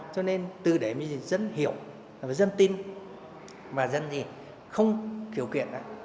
cho nên từ đấy mình dân hiểu dân tin mà dân gì không khiếu kiện